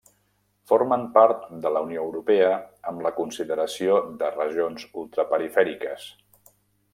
Formen part de la Unió Europea amb la consideració de regions ultraperifèriques.